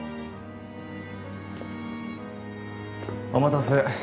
お待たせ。